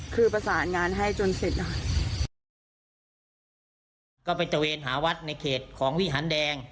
คือประสานงานให้จนเสร็จนะคะก็ไปตะเวนหาวัดในเขตของวิหารแดง